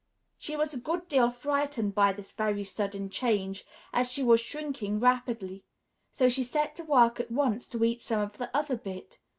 She was a good deal frightened by this very sudden change, as she was shrinking rapidly; so she set to work at once to eat some of the other bit.